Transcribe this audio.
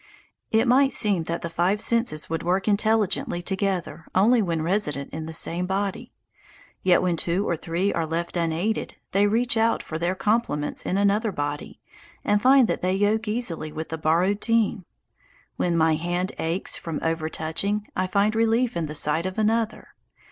It might seem that the five senses would work intelligently together only when resident in the same body. Yet when two or three are left unaided, they reach out for their complements in another body, and find that they yoke easily with the borrowed team. When my hand aches from overtouching, I find relief in the sight of another.